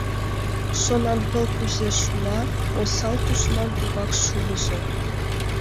Шонанпыл кузе шула, осал тушман тугак шулыжо.